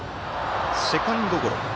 セカンドゴロ。